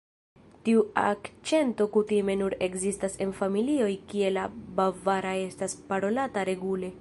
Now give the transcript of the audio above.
Tiu akĉento kutime nur ekzistas en familioj kie la bavara estas parolata regule.